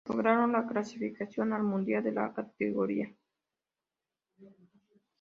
Lograron la clasificación al mundial de la categoría.